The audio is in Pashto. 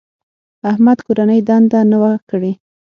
احمد کورنۍ دنده نه وه کړې.